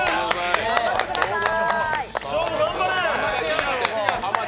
頑張ってくださーい。